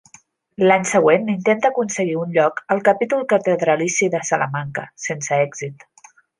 L'any següent intenta aconseguir un lloc al capítol catedralici de Salamanca, sense èxit.